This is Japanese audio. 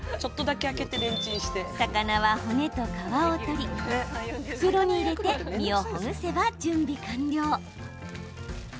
魚は骨と皮を取り袋に入れて身をほぐせば準備完了。